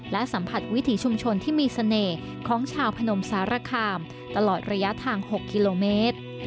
และสัมผัสวิถีชุมชนที่มีเสน่ห์ของชาวพนมสารคามตลอดระยะทาง๖กิโลเมตร